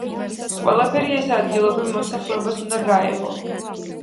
ყველაფერი ეს ადგილობრივ მოსახლეობას უნდა გაეღო.